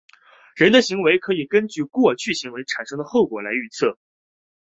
人的行为可以根据过去行为产生的后果来预测。